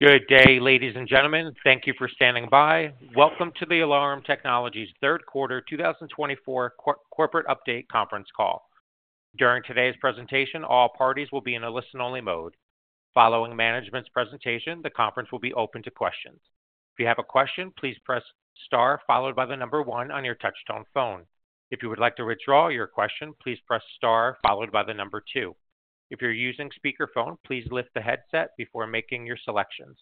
Good day, ladies and gentlemen. Thank you for standing by. Welcome to the Alarum Technologies' third quarter 2024 corporate update conference call. During today's presentation, all parties will be in a listen-only mode. Following management's presentation, the conference will be open to questions. If you have a question, please press star followed by the number one on your touch-tone phone. If you would like to withdraw your question, please press star followed by the number two. If you're using speakerphone, please lift the headset before making your selections.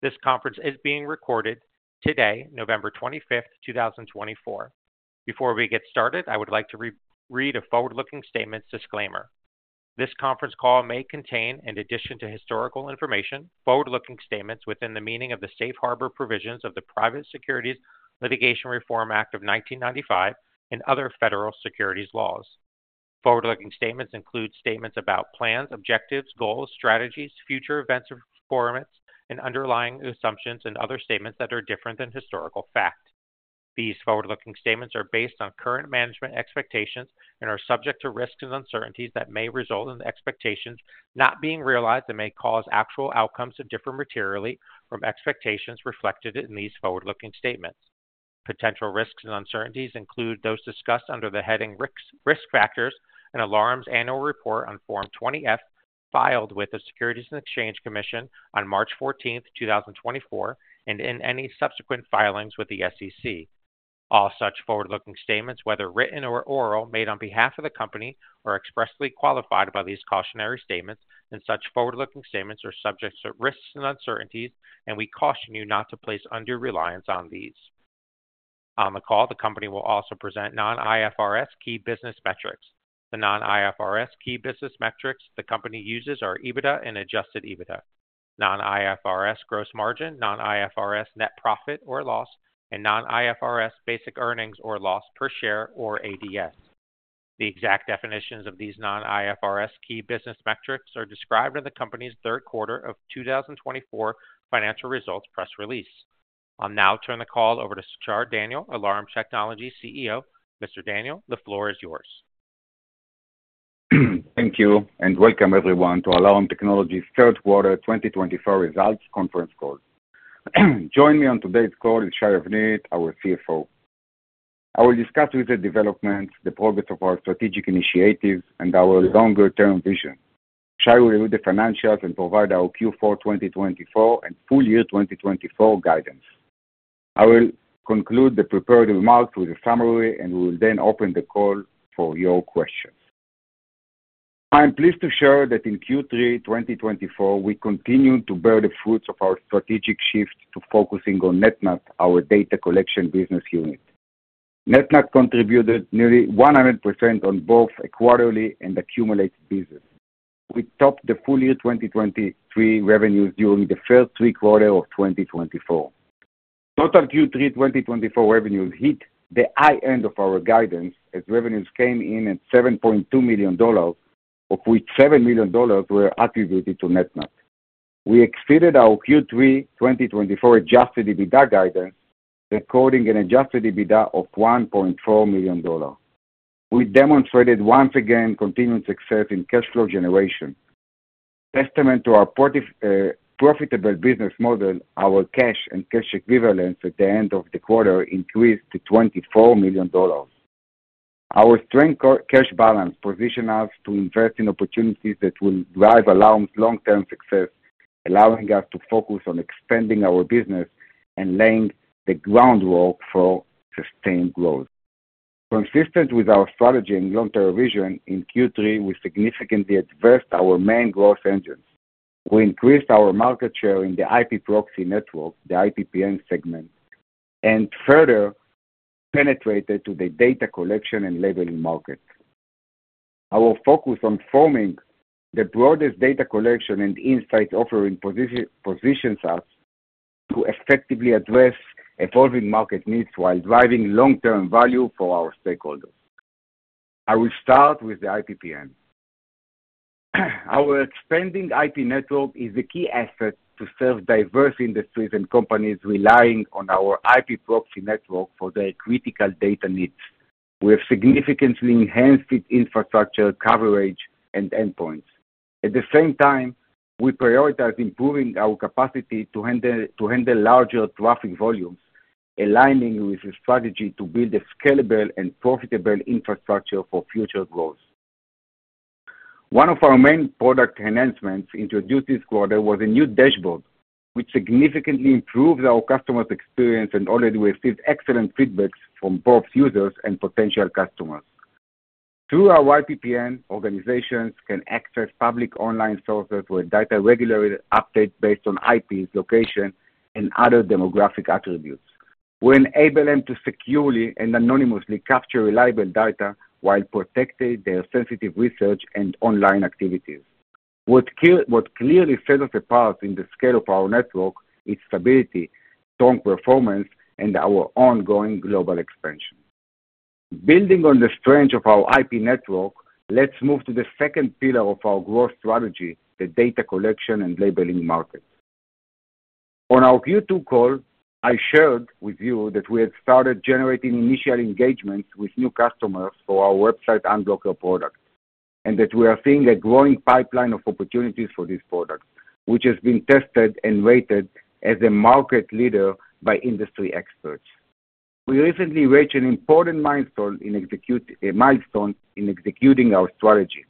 This conference is being recorded today, November 25th, 2024. Before we get started, I would like to read a forward-looking statement's disclaimer. This conference call may contain, in addition to historical information, forward-looking statements within the meaning of the safe harbor provisions of the Private Securities Litigation Reform Act of 1995 and other federal securities laws. Forward-looking statements include statements about plans, objectives, goals, strategies, future events or performance, and underlying assumptions and other statements that are different than historical fact. These forward-looking statements are based on current management expectations and are subject to risks and uncertainties that may result in expectations not being realized and may cause actual outcomes to differ materially from expectations reflected in these forward-looking statements. Potential risks and uncertainties include those discussed under the heading Risk Factors and Alarum's Annual Report on Form 20-F filed with the Securities and Exchange Commission on March 14th, 2024, and in any subsequent filings with the SEC. All such forward-looking statements, whether written or oral, made on behalf of the company are expressly qualified by these cautionary statements, and such forward-looking statements are subject to risks and uncertainties, and we caution you not to place undue reliance on these. On the call, the company will also present non-IFRS key business metrics. The non-IFRS key business metrics the company uses are EBITDA and adjusted EBITDA, non-IFRS gross margin, non-IFRS net profit or loss, and non-IFRS basic earnings or loss per share or ADS. The exact definitions of these non-IFRS key business metrics are described in the company's Third Quarter of 2024 financial results press release. I'll now turn the call over to Shachar Daniel, Alarum Technologies CEO. Mr. Daniel, the floor is yours. Thank you and welcome everyone to Alarum Technologies' third quarter 2024 results conference call. Joining me on today's call is Shai Avnit, our CFO. I will discuss with the development the progress of our strategic initiatives and our longer-term vision. Shai will review the financials and provide our Q4 2024 and full year 2024 guidance. I will conclude the prepared remarks with a summary, and we will then open the call for your questions. I'm pleased to share that in Q3 2024, we continue to bear the fruits of our strategic shift to focusing on NetNut, our data collection business unit. NetNut contributed nearly 100% on both a quarterly and accumulated business. We topped the full year 2023 revenues during the first three quarters of 2024. Total Q3 2024 revenues hit the high end of our guidance as revenues came in at $7.2 million, of which $7 million were attributed to NetNut. We exceeded our Q3 2024 adjusted EBITDA guidance, recording an adjusted EBITDA of $1.4 million. We demonstrated once again continued success in cash flow generation. Testament to our profitable business model, our cash and cash equivalents at the end of the quarter increased to $24 million. Our strong cash balance positions us to invest in opportunities that will drive Alarum's long-term success, allowing us to focus on expanding our business and laying the groundwork for sustained growth. Consistent with our strategy and long-term vision, in Q3, we significantly advanced our main growth engines. We increased our market share in the IP proxy network, the IPPN segment, and further penetrated to the data collection and labeling market. Our focus on forming the broadest data collection and insight offering positions us to effectively address evolving market needs while driving long-term value for our stakeholders. I will start with the IPPN. Our expanding IP network is the key asset to serve diverse industries and companies relying on our IP proxy network for their critical data needs. We have significantly enhanced its infrastructure coverage and endpoints. At the same time, we prioritize improving our capacity to handle larger traffic volumes, aligning with the strategy to build a scalable and profitable infrastructure for future growth. One of our main product enhancements introduced this quarter was a new dashboard, which significantly improved our customers' experience and already received excellent feedback from both users and potential customers. Through our IPPN, organizations can access public online sources with data regularly updated based on IPs, location, and other demographic attributes. We enable them to securely and anonymously capture reliable data while protecting their sensitive research and online activities. What clearly sets us apart in the scale of our network is stability, strong performance, and our ongoing global expansion. Building on the strength of our IP network, let's move to the second pillar of our growth strategy, the data collection and labeling market. On our Q2 call, I shared with you that we had started generating initial engagements with new customers for our Website Unblocker product and that we are seeing a growing pipeline of opportunities for this product, which has been tested and rated as a market leader by industry experts. We recently reached an important milestone in executing our strategy.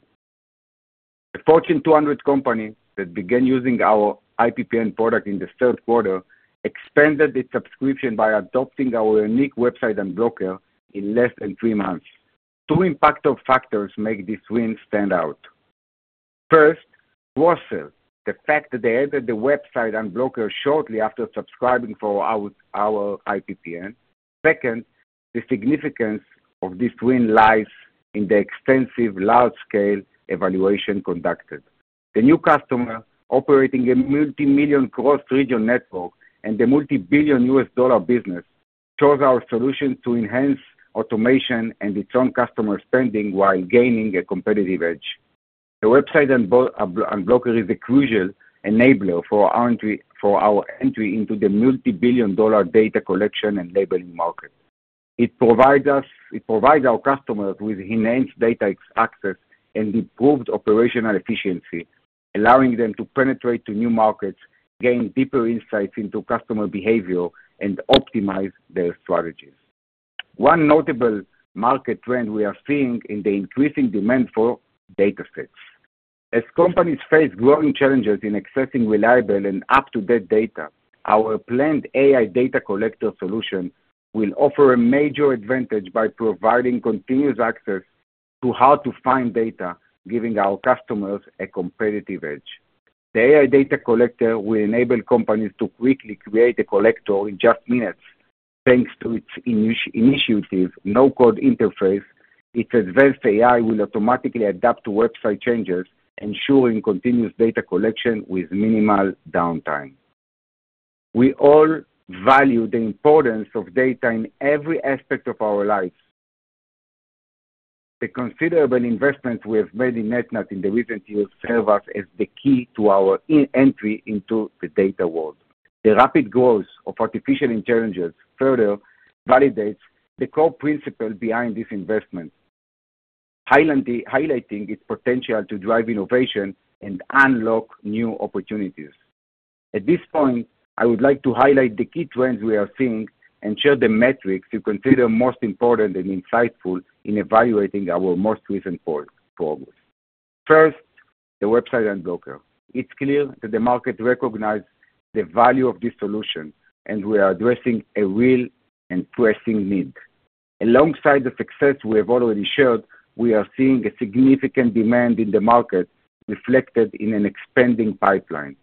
The Fortune 200 company that began using our IPPN product in the third quarter expanded its subscription by adopting our unique Website Unblocker in less than three months. Two impactful factors make this win stand out. First, cross-sale, the fact that they added the Website Unblocker shortly after subscribing for our IPPN. Second, the significance of this win lies in the extensive large-scale evaluation conducted. The new customer, operating a multi-million cross-region network and a multi-billion U.S. dollar business, chose our solution to enhance automation and its own customer spending while gaining a competitive edge. The Website Unblocker is a crucial enabler for our entry into the multi-billion dollar data collection and labeling market. It provides our customers with enhanced data access and improved operational efficiency, allowing them to penetrate new markets, gain deeper insights into customer behavior, and optimize their strategies. One notable market trend we are seeing is the increasing demand for data sets. As companies face growing challenges in accessing reliable and up-to-date data, our planned AI Data Collector solution will offer a major advantage by providing continuous access to hard-to-find data, giving our customers a competitive edge. The AI Data Collector will enable companies to quickly create a collector in just minutes. Thanks to its intuitive no-code interface, its advanced AI will automatically adapt to website changes, ensuring continuous data collection with minimal downtime. We all value the importance of data in every aspect of our lives. The considerable investments we have made in NetNut in recent years serve us as the key to our entry into the data world. The rapid growth of artificial intelligence further validates the core principle behind this investment, highlighting its potential to drive innovation and unlock new opportunities. At this point, I would like to highlight the key trends we are seeing and share the metrics you consider most important and insightful in evaluating our most recent progress. First, the Website Unblocker. It's clear that the market recognizes the value of this solution, and we are addressing a real and pressing need. Alongside the success we have already shared, we are seeing a significant demand in the market reflected in an expanding pipeline.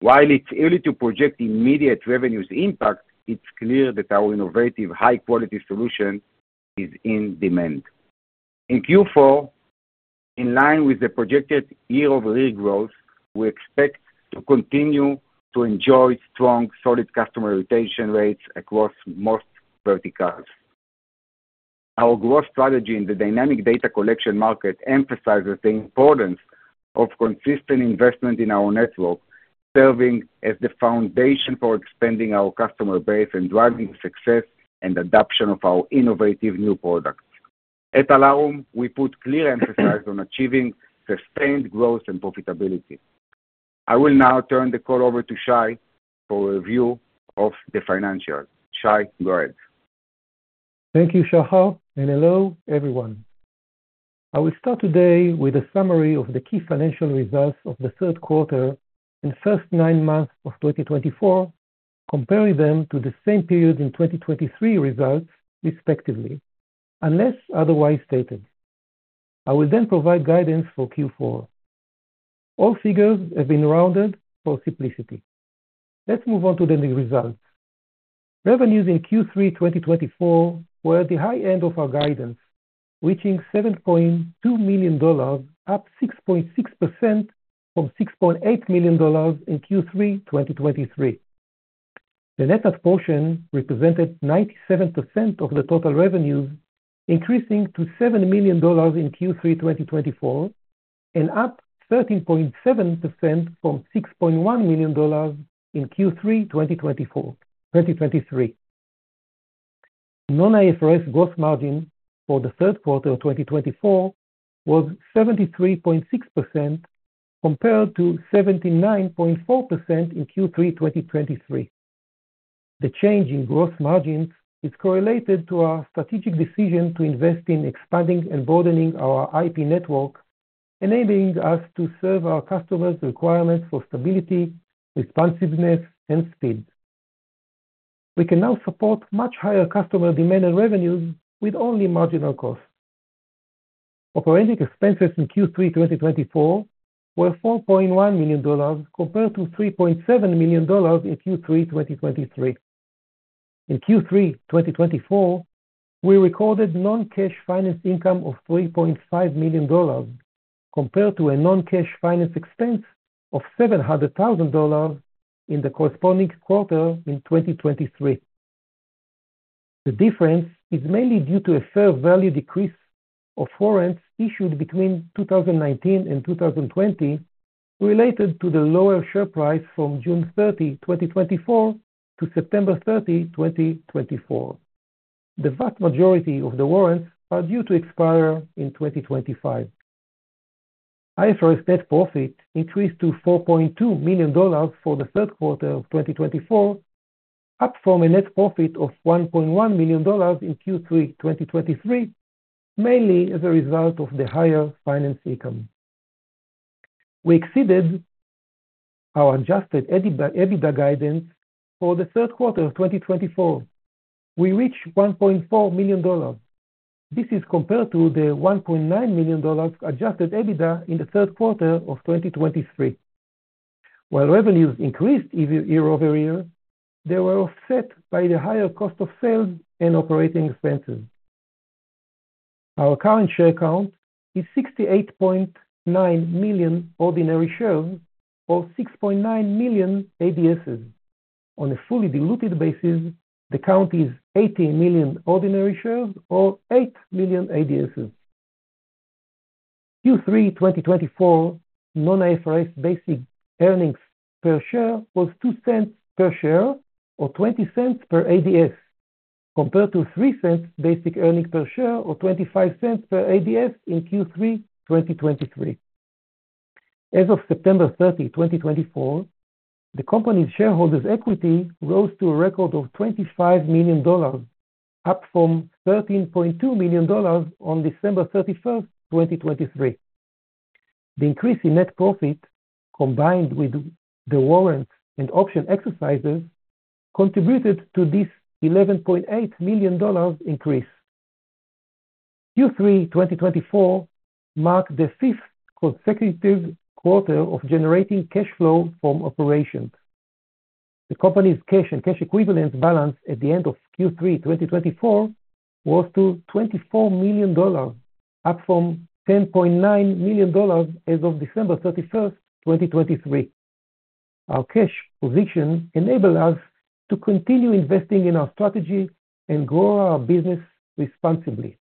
While it's early to project immediate revenue impact, it's clear that our innovative, high-quality solution is in demand. In Q4, in line with the projected year-over-year growth, we expect to continue to enjoy strong, solid customer retention rates across most verticals. Our growth strategy in the dynamic data collection market emphasizes the importance of consistent investment in our network, serving as the foundation for expanding our customer base and driving the success and adoption of our innovative new products. At Alarum, we put clear emphasis on achieving sustained growth and profitability. I will now turn the call over to Shai for a view of the financials. Shai, go ahead. Thank you, Shachar, and hello, everyone. I will start today with a summary of the key financial results of the third quarter and first nine months of 2024, comparing them to the same period in 2023 results, respectively, unless otherwise stated. I will then provide guidance for Q4. All figures have been rounded for simplicity. Let's move on to the results. Revenues in Q3 2024 were at the high end of our guidance, reaching $7.2 million, up 6.6% from $6.8 million in Q3 2023. The NetNut portion represented 97% of the total revenues, increasing to $7 million in Q3 2024 and up 13.7% from $6.1 million in Q3 2023. Non-IFRS gross margin for the third quarter of 2024 was 73.6%, compared to 79.4% in Q3 2023. The change in gross margins is correlated to our strategic decision to invest in expanding and broadening our IP network, enabling us to serve our customers' requirements for stability, responsiveness, and speed. We can now support much higher customer demand and revenues with only marginal cost. Operating expenses in Q3 2024 were $4.1 million compared to $3.7 million in Q3 2023. In Q3 2024, we recorded non-cash finance income of $3.5 million, compared to a non-cash finance expense of $700,000 in the corresponding quarter in 2023. The difference is mainly due to a fair value decrease of warrants issued between 2019 and 2020, related to the lower share price from June 30, 2024, to September 30, 2024. The vast majority of the warrants are due to expire in 2025. IFRS net profit increased to $4.2 million for the third quarter of 2024, up from a net profit of $1.1 million in Q3 2023, mainly as a result of the higher finance income. We exceeded our Adjusted EBITDA guidance for the third quarter of 2024. We reached $1.4 million. This is compared to the $1.9 million Adjusted EBITDA in the third quarter of 2023. While revenues increased year-over-year, they were offset by the higher cost of sales and operating expenses. Our current share count is 68.9 million ordinary shares or 6.9 million ADSs. On a fully diluted basis, the count is 80 million ordinary shares or 8 million ADSs. Q3 2024 non-IFRS basic earnings per share was $0.02 per share or $0.20 per ADS, compared to $0.03 basic earnings per share or $0.25 per ADS in Q3 2023. As of September 30, 2024, the company's shareholders' equity rose to a record of $25 million, up from $13.2 million on December 31st, 2023. The increase in net profit, combined with the warrants and option exercises, contributed to this $11.8 million increase. Q3 2024 marked the fifth consecutive quarter of generating cash flow from operations. The company's cash and cash equivalents balance at the end of Q3 2024 was $24 million, up from $10.9 million as of December 31st, 2023. Our cash position enabled us to continue investing in our strategy and grow our business responsibly.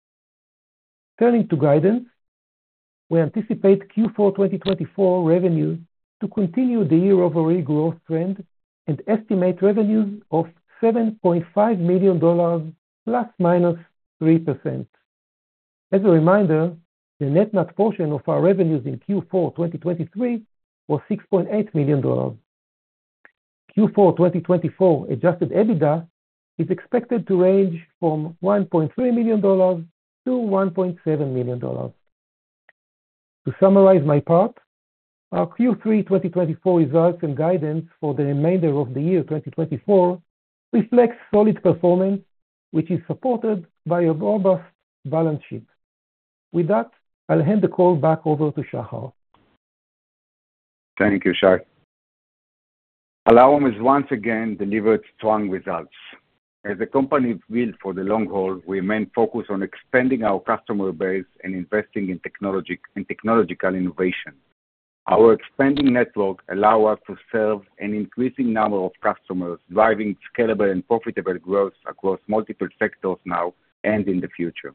Turning to guidance, we anticipate Q4 2024 revenue to continue the year-over-year growth trend and estimate revenues of $7.5 million, plus or minus 3%. As a reminder, the NetNut portion of our revenues in Q4 2023 was $6.8 million. Q4 2024 Adjusted EBITDA is expected to range from $1.3 million-$1.7 million. To summarize my part, our Q3 2024 results and guidance for the remainder of the year 2024 reflect solid performance, which is supported by a robust balance sheet. With that, I'll hand the call back over to Shachar. Thank you, Shachar. Alarum has once again delivered strong results. As a company built for the long haul, we mainly focus on expanding our customer base and investing in technological innovation. Our expanding network allows us to serve an increasing number of customers, driving scalable and profitable growth across multiple sectors now and in the future.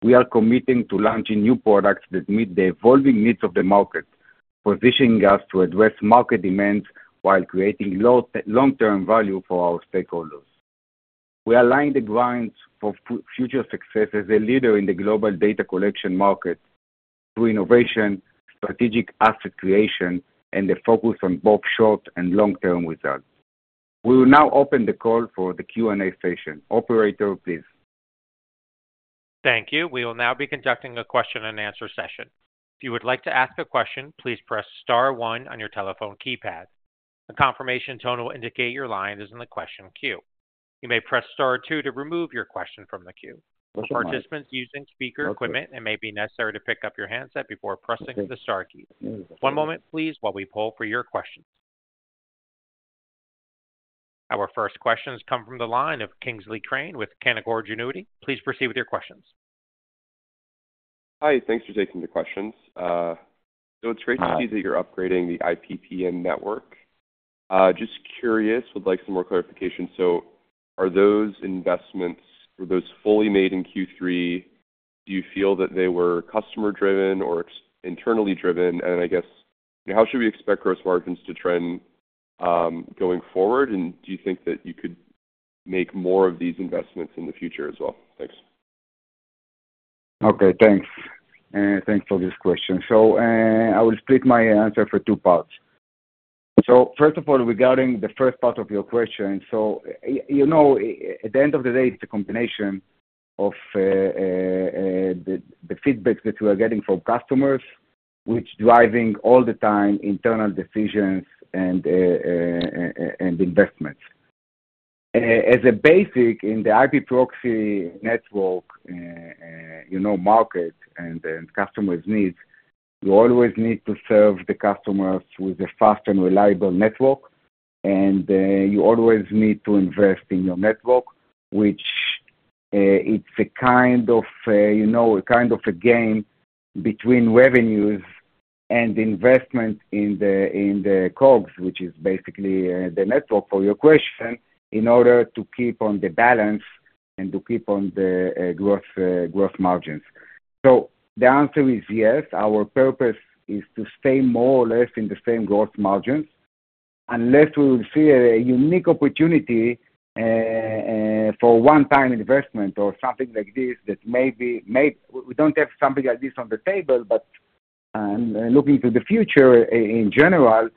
We are committing to launching new products that meet the evolving needs of the market, positioning us to address market demands while creating long-term value for our stakeholders. We are laying the ground for future success as a leader in the global data collection market through innovation, strategic asset creation, and the focus on both short and long-term results. We will now open the call for the Q&A session. Operator, please. Thank you. We will now be conducting a question-and-answer session. If you would like to ask a question, please press star one on your telephone keypad. A confirmation tone will indicate your line is in the question queue. You may press star two to remove your question from the queue. For participants using speaker equipment, it may be necessary to pick up your handset before pressing the star key. One moment, please, while we pull for your questions. Our first questions come from the line of Kingsley Crane with Canaccord Genuity. Please proceed with your questions. Hi, thanks for taking the questions. So it's great to see that you're upgrading the IPPN network. Just curious, would like some more clarification. So are those investments, were those fully made in Q3? Do you feel that they were customer-driven or internally driven? And I guess, how should we expect gross margins to trend going forward? And do you think that you could make more of these investments in the future as well? Thanks. Okay, thanks. Thanks for this question. So I will split my answer for two parts. So first of all, regarding the first part of your question, so you know at the end of the day, it's a combination of the feedback that we are getting from customers, which is driving all the time internal decisions and investments. As basically in the IP proxy network market and customers' needs, you always need to serve the customers with a fast and reliable network, and you always need to invest in your network, which it's a kind of a game between revenues and investment in the COGS, which is basically the network for your question, in order to keep on the balance and to keep on the gross margins. So the answer is yes. Our purpose is to stay more or less in the same gross margins unless we will see a unique opportunity for one-time investment or something like this that maybe we don't have something like this on the table, but looking to the future in general,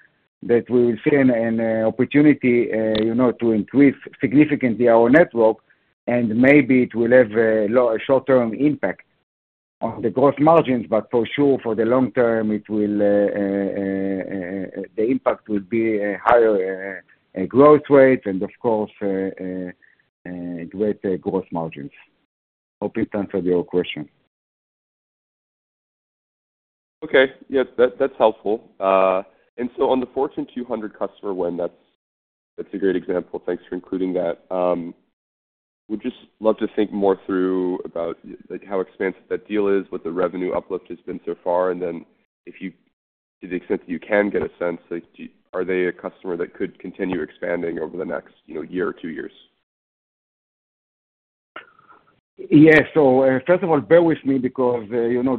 that we will see an opportunity to increase significantly our network, and maybe it will have a short-term impact on the gross margins, but for sure, for the long-term, the impact will be a higher growth rate and, of course, greater gross margins. Hope it answered your question. Okay. Yeah, that's helpful. And so on the Fortune 200 customer one, that's a great example. Thanks for including that. We'd just love to think more through about how expansive that deal is, what the revenue uplift has been so far, and then to the extent that you can get a sense, are they a customer that could continue expanding over the next year or two years? Yes, so first of all, bear with me because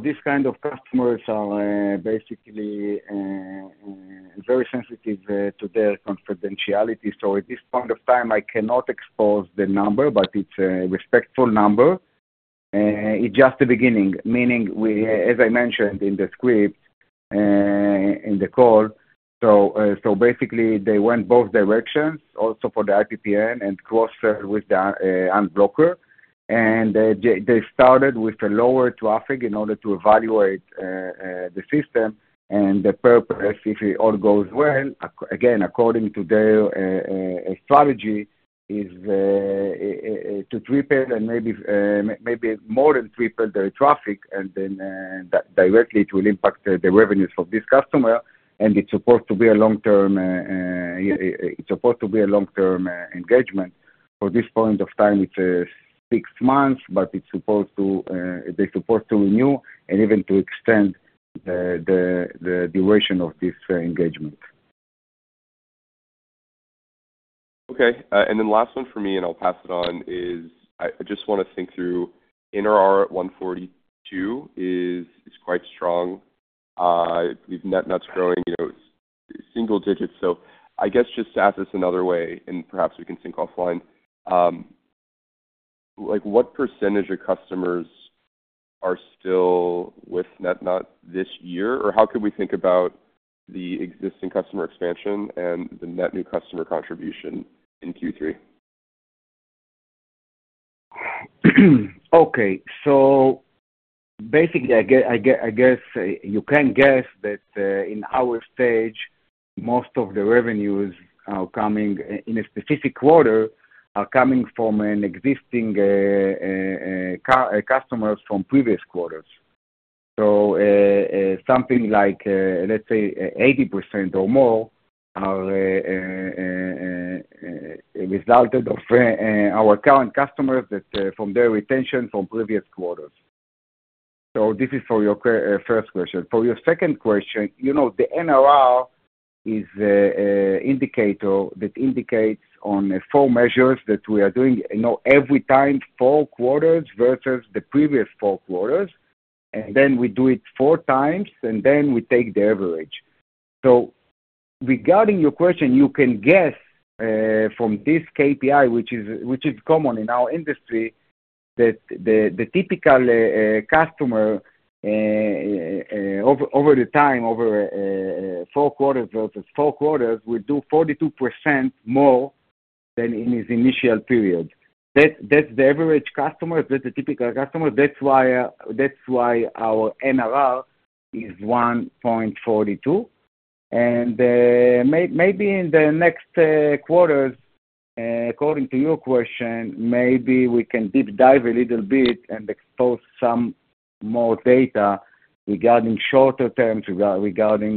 these kind of customers are basically very sensitive to their confidentiality. So, at this point of time, I cannot expose the number, but it's a respectful number. It's just the beginning, meaning, as I mentioned in the script, in the call. So basically, they went both directions, also for the IPPN and cross-sell with the unblocker. And they started with a lower traffic in order to evaluate the system. And the purpose, if it all goes well, again, according to their strategy, is to triple and maybe more than triple their traffic, and then directly it will impact the revenues for this customer. And it's supposed to be a long-term engagement. For this point of time, it's six months, but it's supposed to renew and even to extend the duration of this engagement. Okay. And then last one for me, and I'll pass it on, is I just want to think through in our R142 is quite strong. We've NetNut growing single digits. So I guess just to ask this another way, and perhaps we can sync offline, what percentage of customers are still with NetNut this year? Or how could we think about the existing customer expansion and the net new customer contribution in Q3? Okay. So basically, I guess you can guess that in our stage, most of the revenues are coming in a specific quarter, are coming from existing customers from previous quarters. So something like, let's say, 80% or more resulted of our current customers from their retention from previous quarters. So this is for your first question. For your second question, the NRR is an indicator that indicates on four measures that we are doing every time, four quarters versus the previous four quarters. And then we do it 4x, and then we take the average. So regarding your question, you can guess from this KPI, which is common in our industry, that the typical customer over the time, over four quarters versus four quarters, will do 42% more than in his initial period. That's the average customer. That's the typical customer. That's why our NRR is 1.42. And maybe in the next quarters, according to your question, maybe we can deep dive a little bit and expose some more data regarding shorter-terms regarding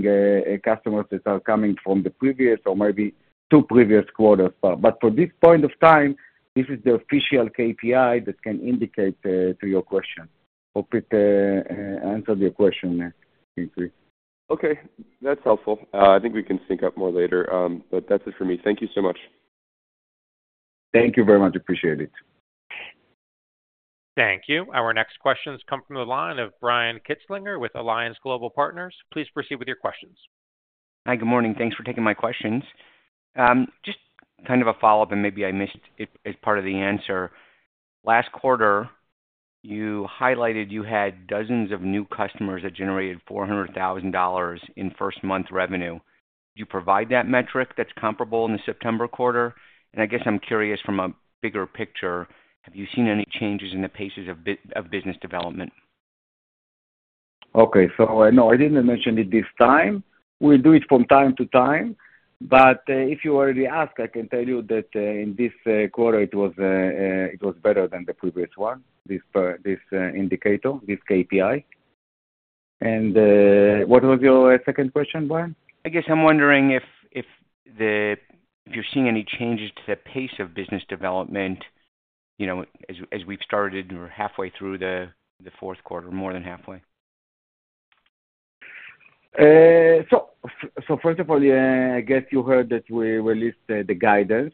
customers that are coming from the previous or maybe two previous quarters. But for this point of time, this is the official KPI that can indicate to your question. Hope it answered your question there, Kingsley. Okay. That's helpful. I think we can sync up more later, but that's it for me. Thank you so much. Thank you very much. Appreciate it. Thank you. Our next questions come from the line of Brian Kinstlinger with Alliance Global Partners. Please proceed with your questions. Hi, good morning. Thanks for taking my questions. Just kind of a follow-up, and maybe I missed it as part of the answer. Last quarter, you highlighted you had dozens of new customers that generated $400,000 in first-month revenue. Could you provide that metric that's comparable in the September quarter? And I guess I'm curious from a bigger picture, have you seen any changes in the pace of business development? Okay. So no, I didn't mention it this time. We do it from time to time. But if you already asked, I can tell you that in this quarter, it was better than the previous one, this indicator, this KPI. And what was your second question, Brian? I guess I'm wondering if you're seeing any changes to the pace of business development as we've started and we're halfway through the fourth quarter, more than halfway? So first of all, I guess you heard that we released the guidance.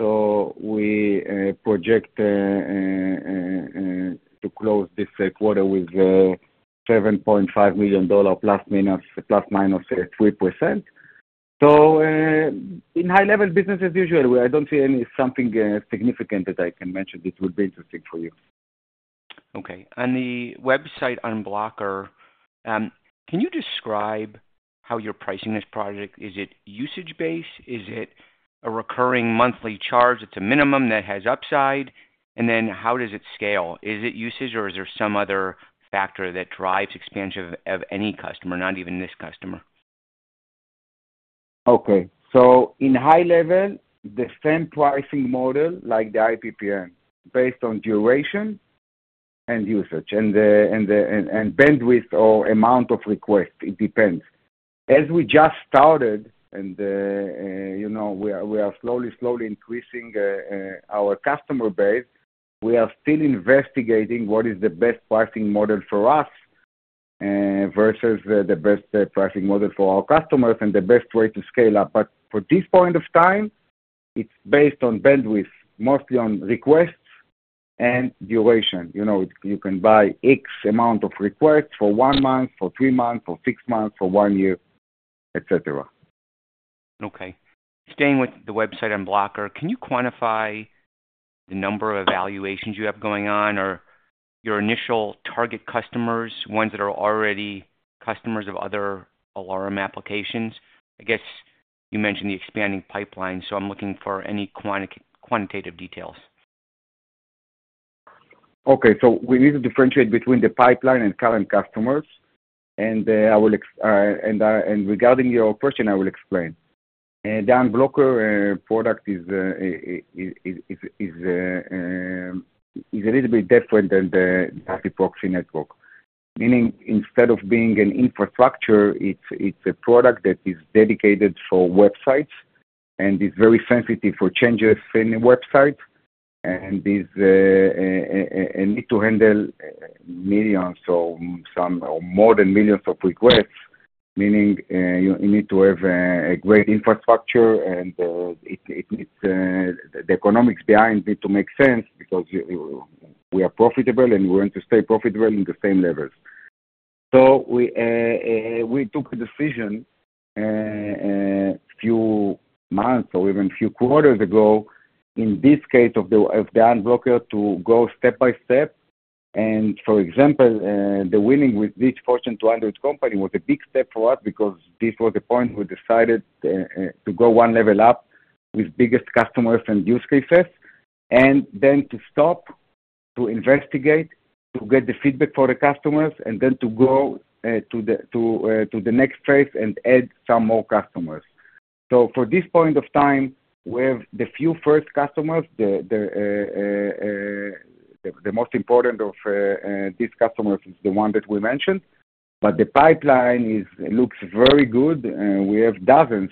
So we project to close this quarter with $7.5 million, plus, minus 3%. So in high-level business as usual, I don't see anything significant that I can mention that will be interesting for you. Okay. On the Website Unblocker, can you describe how you're pricing this project? Is it usage-based? Is it a recurring monthly charge? It's a minimum that has upside. And then how does it scale? Is it usage, or is there some other factor that drives expansion of any customer, not even this customer? Okay. So in high-level, the same pricing model like the IPPN, based on duration and usage and bandwidth or amount of request. It depends. As we just started and we are slowly, slowly increasing our customer base, we are still investigating what is the best pricing model for us versus the best pricing model for our customers and the best way to scale up. But for this point of time, it's based on bandwidth, mostly on requests and duration. You can buy X amount of requests for one month, for three months, for six months, for one year, etc. Okay. Staying with the Website Unblocker, can you quantify the number of evaluations you have going on or your initial target customers, ones that are already customers of other Alarum applications? I guess you mentioned the expanding pipeline, so I'm looking for any quantitative details. Okay. So we need to differentiate between the pipeline and current customers. And regarding your question, I will explain. The unblocker product is a little bit different than the IP proxy network, meaning instead of being an infrastructure, it's a product that is dedicated for websites and is very sensitive for changes in websites and needs to handle millions or more than millions of requests, meaning you need to have a great infrastructure and the economics behind it to make sense because we are profitable and we want to stay profitable in the same levels. So we took a decision a few months or even a few quarters ago in this case of the unblocker to go step by step. For example, the winning with this Fortune 200 company was a big step for us because this was the point we decided to go one level up with biggest customers and use cases, and then to stop, to investigate, to get the feedback for the customers, and then to go to the next phase and add some more customers. For this point of time, we have the few first customers. The most important of these customers is the one that we mentioned. The pipeline looks very good. We have dozens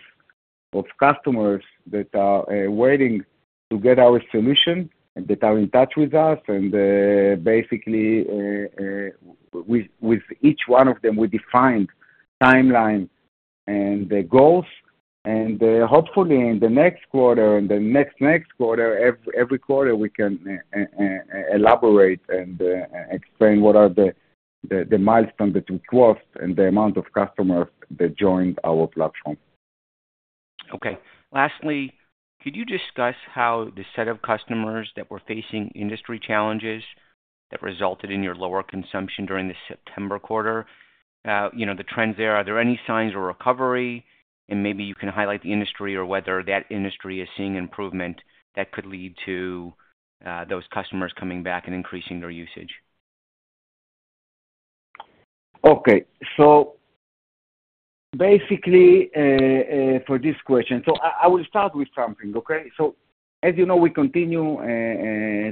of customers that are waiting to get our solution and that are in touch with us. Basically, with each one of them, we defined timeline and the goals. Hopefully, in the next quarter and the next next quarter, every quarter, we can elaborate and explain what are the milestones that we crossed and the amount of customers that joined our platform. Okay. Lastly, could you discuss how the set of customers that were facing industry challenges that resulted in your lower consumption during the September quarter, the trends there? Are there any signs of recovery, and maybe you can highlight the industry or whether that industry is seeing improvement that could lead to those customers coming back and increasing their usage. Okay. So basically, for this question, so I will start with something, okay? So as you know, we continue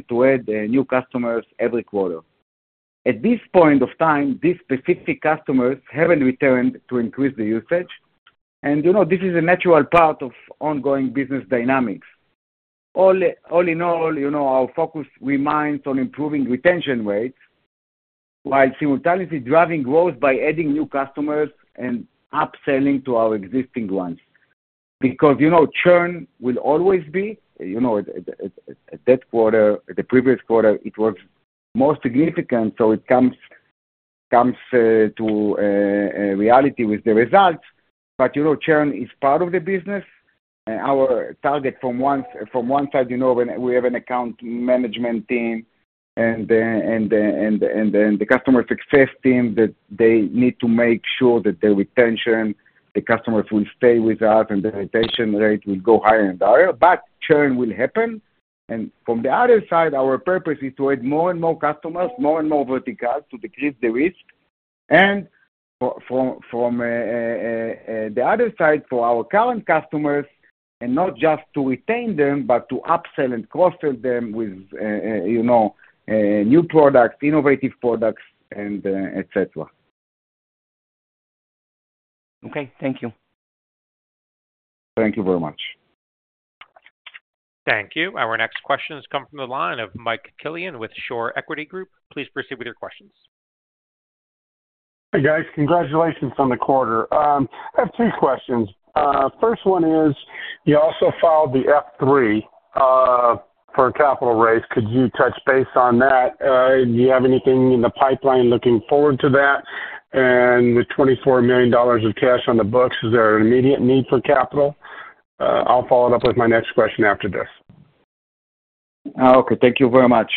to add new customers every quarter. At this point of time, these specific customers haven't returned to increase the usage, and this is a natural part of ongoing business dynamics. All in all, our focus remains on improving retention rates while simultaneously driving growth by adding new customers and upselling to our existing ones, because churn will always be at that quarter. At the previous quarter, it was more significant, so it comes to reality with the results, but churn is part of the business. Our target from one side, we have an account management team and the customer success team that they need to make sure that their retention, the customers will stay with us, and the retention rate will go higher and higher, but churn will happen. And from the other side, our purpose is to add more and more customers, more and more verticals to decrease the risk. And from the other side, for our current customers, and not just to retain them, but to upsell and cross-sell them with new products, innovative products, and etc. Okay. Thank you. Thank you very much. Thank you. Our next questions come from the line of [Mike Killian] with [Shore Equity Group]. Please proceed with your questions. Hey, guys. Congratulations on the quarter. I have three questions. First one is, you also filed the F3 for a capital raise. Could you touch base on that? Do you have anything in the pipeline looking forward to that? And with $24 million of cash on the books, is there an immediate need for capital? I'll follow it up with my next question after this. Okay. Thank you very much.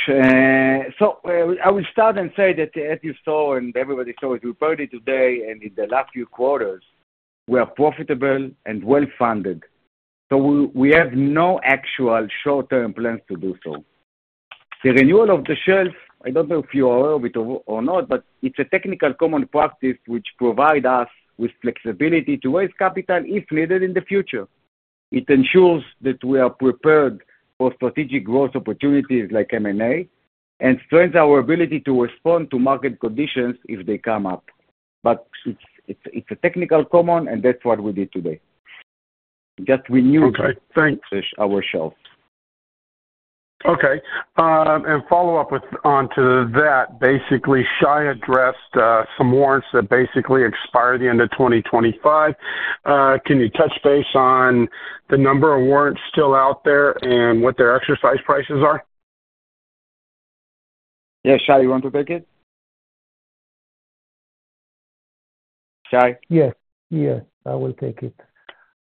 So I will start and say that, as you saw and everybody saw it with Bernie today and in the last few quarters, we are profitable and well-funded. So we have no actual short-term plans to do so. The renewal of the shelf, I don't know if you are aware of it or not, but it's a technical common practice which provides us with flexibility to raise capital if needed in the future. It ensures that we are prepared for strategic growth opportunities like M&A and strengthens our ability to respond to market conditions if they come up. But it's a technical common, and that's what we did today. Just renewed our shelf. Okay. Thanks. Okay, follow-up on that, basically, Shai addressed some warrants that basically expire at the end of 2025. Can you touch base on the number of warrants still out there and what their exercise prices are? Yes, Shai, you want to take it? Shai? Yes. Yes. I will take it.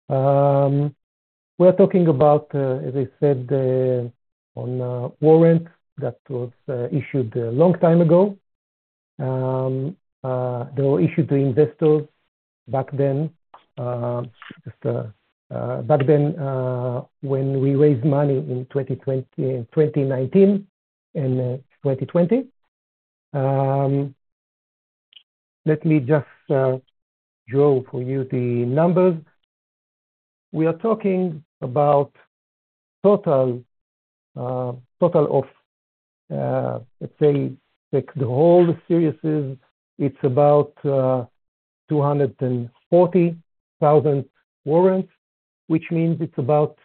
We are talking about, as I said, on warrants that were issued a long time ago. They were issued to investors back then, just back then when we raised money in 2019 and 2020. Let me just show for you the numbers. We are talking about total of, let's say, the whole series, it's about 240,000 warrants, which means it's about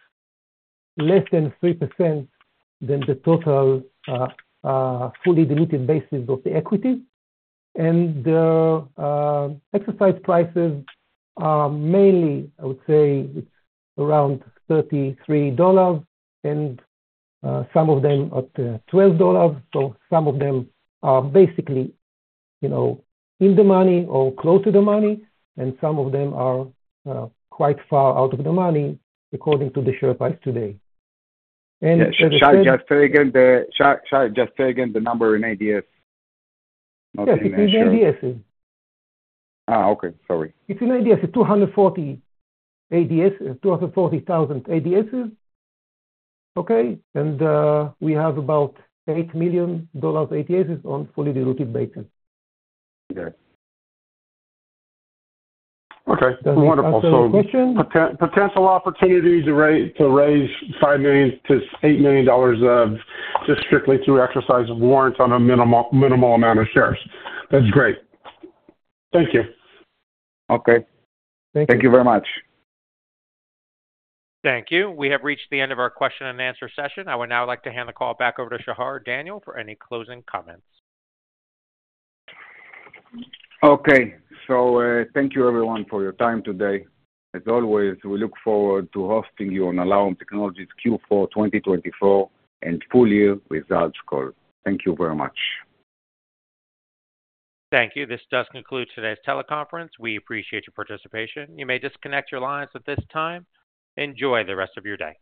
less than 3% than the total fully diluted basis of the equity. And the exercise prices are mainly, I would say, it's around $33, and some of them are $12. So some of them are basically in the money or close to the money, and some of them are quite far out of the money according to the share price today. Shai, just say again the number in ADS, not in ADS. It's in ADSs. okay. Sorry. It's in ADSs. 240,000 ADSs. Okay. And we have about $8 million ADSs on fully diluted basis. Okay. Okay. Wonderful. So potential opportunities to raise $5 million-$8 million just strictly through exercise of warrants on a minimal amount of shares. That's great. Thank you. Okay. Thank you. Thank you very much. Thank you. We have reached the end of our question-and-answer session. I would now like to hand the call back over to Shachar Daniel for any closing comments. Okay. So thank you, everyone, for your time today. As always, we look forward to hosting you on Alarum Technologies Q4 2024 and full-year results call. Thank you very much. Thank you. This does conclude today's teleconference. We appreciate your participation. You may disconnect your lines at this time. Enjoy the rest of your day.